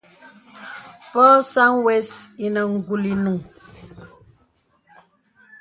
Pɔ̄ɔ̄ sàŋ wə̀s inə ngùl inùŋ.